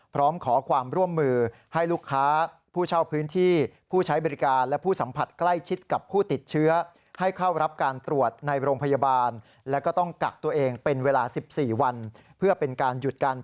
พร้อมขอความร่วมมือให้ลูกค้าผู้เช่าพื้นที่ผู้ใช้บริการ